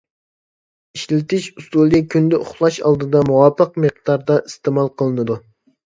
ئىشلىتىش ئۇسۇلى كۈندە ئۇخلاش ئالدىدا مۇۋاپىق مىقداردا ئىستېمال قىلىنىدۇ.